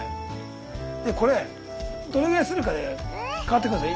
でこれどれぐらい摺るかで変わってくるんですよ。